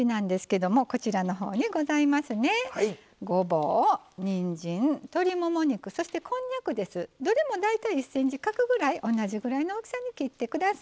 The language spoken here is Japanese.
どれも大体１ｃｍ角ぐらい同じぐらいの大きさに切って下さい。